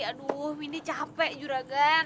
aduh mini capek juregan